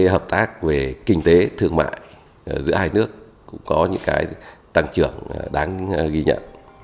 hợp tác về kinh tế thương mại giữa hai nước cũng có những tăng trưởng đáng ghi nhận